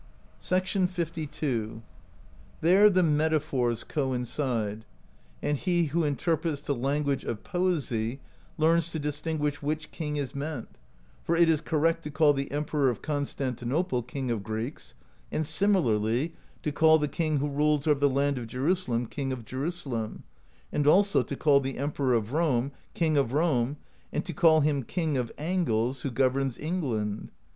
THE POESY OF SKALDS 197 LII. "There the metaphors coincide; and he who interprets the language of poesy learns to distinguish which king is meant; for it is correct to call the Emperor of Constanti nople King of Greeks, and similarly to call the king who rules over the land of Jerusalem King of Jerusalem, and also to call the Emperor of Rome King of Rome, and to call him King of Angles^ who governs England.